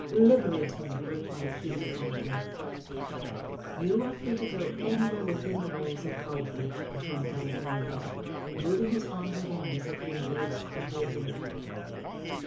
"Liberate me," replied Hina promptly. "You are free to go anywhere within the walls of Haupu," returned Kaupeepee, moving his arms around as if they embraced the whole world.